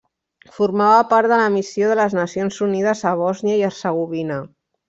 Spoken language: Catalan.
Formava part de la Missió de les Nacions Unides a Bòsnia i Hercegovina.